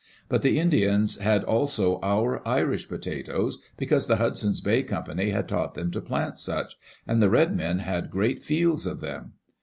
But the Indians had also our Irish potatoes, because the Hudson^s Bay Company had taught them to plant such, and the red men had great fields of them.